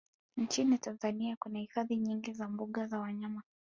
Nchini Tanzania kuna hifadhi nyingi za mbuga za wanyama